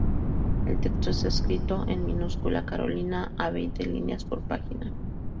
El texto está escrito en minúscula carolina, a veinte líneas por página.